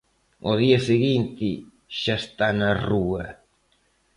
Ao día seguinte xa está na rúa.